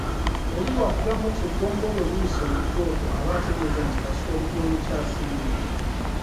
Oli bwakugamba nti eggongolo liyise mu kyoto aba ategeeza nti kasooli gw’oyokya asiridde.